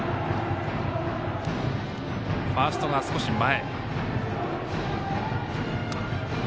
ファーストが少し前。